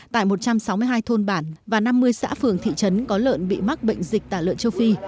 tại một trăm sáu mươi hai thôn bản và năm mươi xã phường thị trấn có lợn bị mắc bệnh dịch tả lợn châu phi